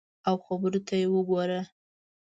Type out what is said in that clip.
او خبرو ته یې وګوره !